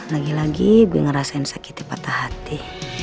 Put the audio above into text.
lagi lagi ibu ngerasain sakitnya patah hati